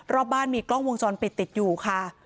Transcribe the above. รอบบ้านมีกล้องวงจรปิดติดอยู่ค่ะ